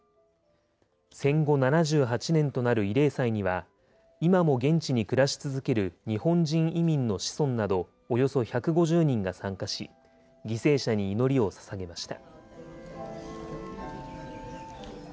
戦後７８年となる慰霊祭には、今も現地に暮らし続ける日本人移民の子孫などおよそ１５０人が参加し、犠牲者に祈りをささげました。